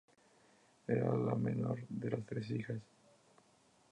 Era la menor de las tres hijas.